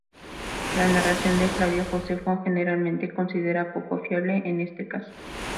La narración de Flavio Josefo, generalmente se considera poco fiable en este caso.